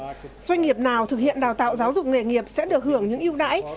các doanh nghiệp nào thực hiện đào tạo giáo dục nghề nghiệp sẽ được hưởng những ưu nãi